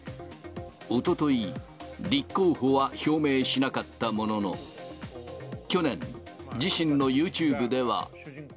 おととい、立候補は表明しなかったものの、去年、自身のユーチューブでは。